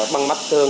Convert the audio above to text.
bằng mắt thương